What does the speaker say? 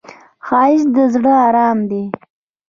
ښایست د زړه آرام دی